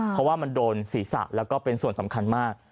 เพราะว่ามันโดนศีรษะแล้วก็เป็นส่วนสำคัญมาก